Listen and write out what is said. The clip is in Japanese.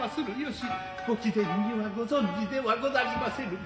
御貴殿には御存じではござりませぬか。